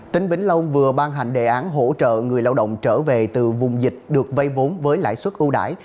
tỉnh vĩnh long vừa ban hành đề án hỗ trợ người lao động trở về từ vùng dịch được vây vốn với lãi suất ưu đãi